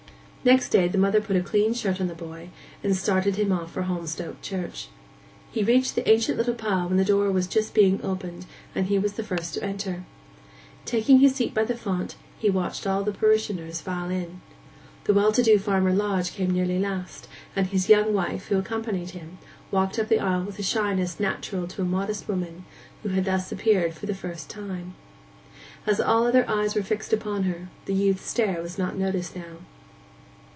Next day the mother put a clean shirt on the boy, and started him off for Holmstoke church. He reached the ancient little pile when the door was just being opened, and he was the first to enter. Taking his seat by the font, he watched all the parishioners file in. The well to do Farmer Lodge came nearly last; and his young wife, who accompanied him, walked up the aisle with the shyness natural to a modest woman who had appeared thus for the first time. As all other eyes were fixed upon her, the youth's stare was not noticed now.